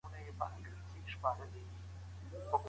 بد زړه هر څوک ځوروي